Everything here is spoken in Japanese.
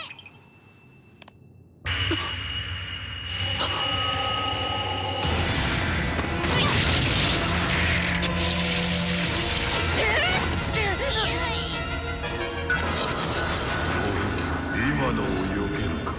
ほぉお今のをよけるか。